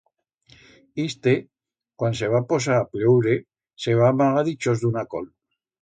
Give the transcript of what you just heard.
Iste, cuan se va posar a plloure, se va amagar dichós d'una col.